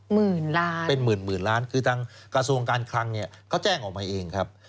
หมื่นล้านเป็นหมื่นหมื่นล้านคือทางกระทรวงการคลังเนี่ยเขาแจ้งออกมาเองครับ